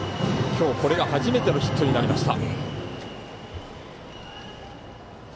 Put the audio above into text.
今日これが初めてのヒットになりました。